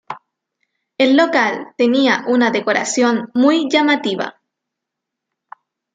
El local tenía una decoración muy llamativa.